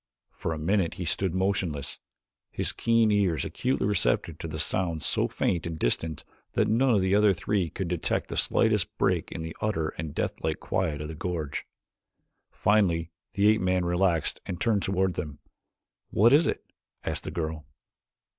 For a minute he stood motionless, his keen ears acutely receptive to sounds so faint and distant that none of the other three could detect the slightest break in the utter and deathlike quiet of the gorge. Finally the ape man relaxed and turned toward them. "What is it?" asked the girl.